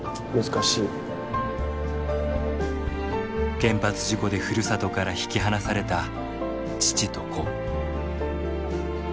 原発事故でふるさとから引き離された父と子。